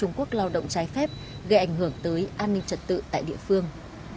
trung quốc lao động trái phép gây ảnh hưởng tới an ninh trật tự tại địa phương